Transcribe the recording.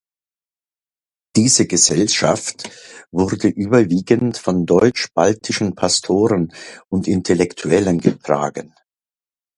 Diese Gesellschaft wurde überwiegend von deutsch-baltischen Pastoren und Intellektuellen getragen.